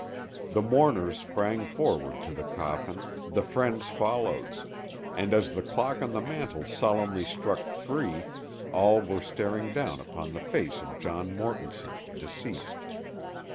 The mourners sprang forward to the coffin, the friends followed, and as the clock on the mantel solemnly struck three all were staring down upon the face of John Mortonson, deceased.